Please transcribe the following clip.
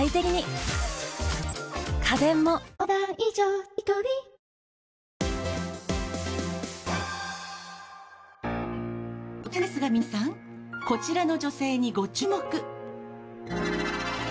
突然ですが皆さんこちらの女性にご注目。